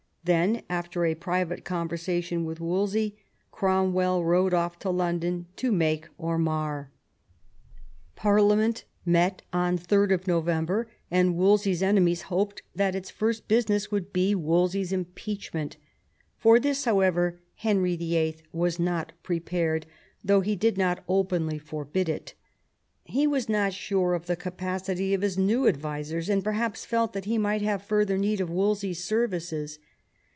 Then, after a private conversation with Wolsey, Cromwell rode off" to London to "make or mar." 190 THOMAS WOLSEY chap. Parliament met on 3d November, and Wolsey's enemies hoped that its first business would be Wolsey's impeach ment For this, however, Henry VIII. was not prepared, tiiough he did not openly forbid it. He was not sure of ihe capacity of his new advisers, and perhaps felt that he might have further need of Wolsey's services.